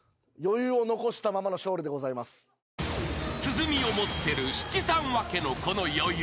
［鼓を持ってる七三分けのこの余裕］